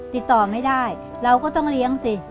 ติดต่อไม่ได้เราก็ต้องเลี้ยงสิ